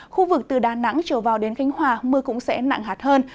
khu vực từ đà nẵng trở vào đến khánh hòa mưa cũng sẽ nặng hạt hơn